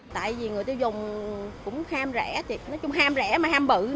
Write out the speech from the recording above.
tại vì người tiêu dùng cũng ham rẻ nói chung ham rẻ mà ham bự nữa